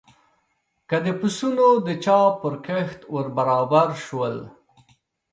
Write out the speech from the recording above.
که د پسونو د چا پر کښت ور برابر شول.